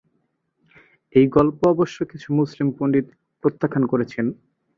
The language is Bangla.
এই গল্প অবশ্য কিছু মুসলিম পণ্ডিত প্রত্যাখ্যান করেছেন।